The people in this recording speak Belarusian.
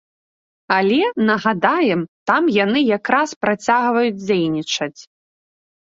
Але, нагадаем, там яны як раз працягваюць дзейнічаць.